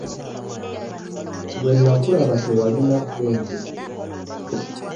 Lwe nnakulaba tewalina ssente.